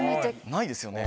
ないですよね。